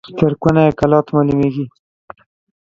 تر کونه يې کلات معلومېږي.